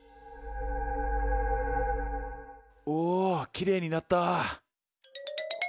おきれいになった。